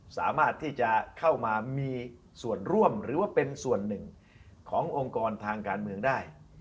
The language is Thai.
สามารถที่จะเข้ามามีส่วนร่วมหรือว่าเป็นส่วนหนึ่งขององค์กรทางการเมืองได้